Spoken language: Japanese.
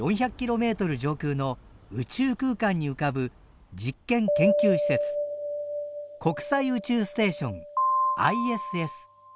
上空の宇宙空間に浮かぶ実験・研究施設国際宇宙ステーションＩＳＳ。